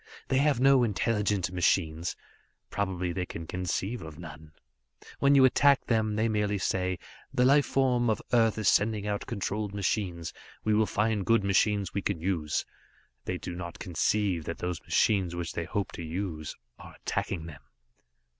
They have no intelligent machines; probably they can conceive of none. When you attack them, they merely say 'The life form of Earth is sending out controlled machines. We will find good machines we can use.' They do not conceive that those machines which they hope to use are attacking them.